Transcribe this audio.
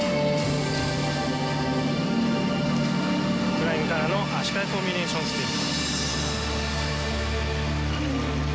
フライングからの足換えコンビネーションスピン。